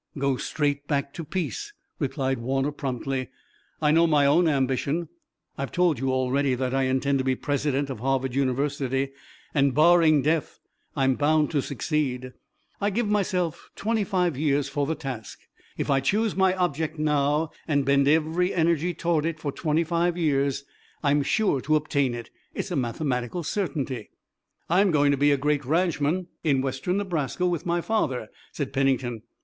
"Go straight back to peace," replied Warner promptly. "I know my own ambition. I've told you already that I intend to be president of Harvard University, and, barring death, I'm bound to succeed. I give myself twenty five years for the task. If I choose my object now and bend every energy toward it for twenty five years I'm sure to obtain it. It's a mathematical certainty." "I'm going to be a great ranchman in Western Nebraska with my father," said Pennington.